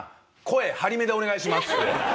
声張りめでお願いします」って。